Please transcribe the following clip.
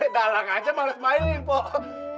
dalang aja males mainin pok